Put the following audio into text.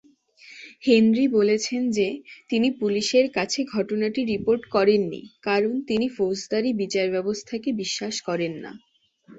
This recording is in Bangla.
হেনরি বলেছেন যে তিনি পুলিশের কাছে ঘটনাটি রিপোর্ট করেননি কারণ তিনি ফৌজদারি বিচার ব্যবস্থাকে বিশ্বাস করেন না।